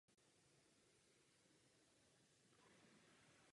Aplikace poskytuje informace a statistiky o návštěvnosti webu.